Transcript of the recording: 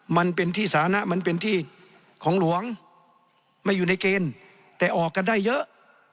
มันเป็นที่สานะมันเป็นที่ของหลวงไม่อยู่ในเกณฑ์แต่ออกกันได้เยอะ